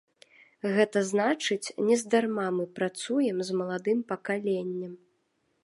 Гэта значыць, нездарма мы працуем з маладым пакаленнем.